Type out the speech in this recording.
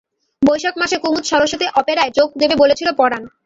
বৈশাখ মাসে কুমুদ সরস্বতী অপেরায় যোগ দেবে বলেছিল পরাণ।